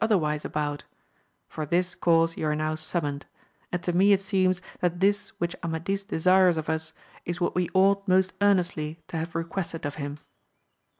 249 otherwise about; for this cause ye are now summoned ; and to me it seems that this which Amadis desires of us is what we ought most earnestly to have requested of him.